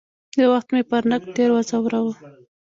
یو وخت مې پر نقد ډېر وځوراوه.